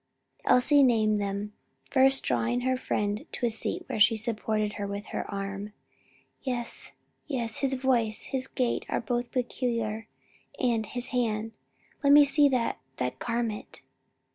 Elsie named them; first drawing her friend to a seat where she supported her with her arm. "Yes, yes, his voice, his gait are both peculiar, and his hand. Let me see that that garment."